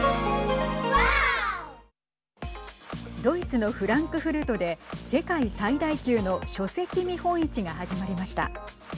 ドイツのフランクフルトで世界最大級の書籍見本市が始まりました。